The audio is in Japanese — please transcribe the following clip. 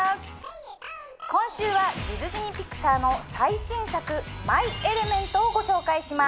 今週はディズニー＆ピクサーの最新作『マイ・エレメント』をご紹介します。